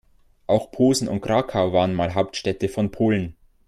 Auch Posen und Krakau waren mal Hauptstädte von Polen.